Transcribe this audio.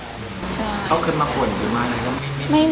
ใช่เขาคือมากว่านี่หรือมากอะไรก็ไม่มี